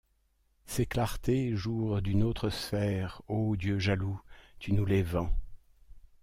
Ces clartés, jour d’une autre sphère, Ô Dieu jaloux, tu nous les vends!